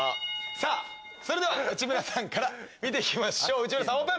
それでは内村さんから見て行きましょうオープン！